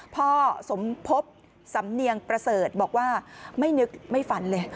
พ่อสมพบสำเนียงประเสริฐบอกว่าไม่นึกไม่ฝันเลย